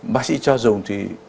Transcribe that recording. bác sĩ cho dùng thì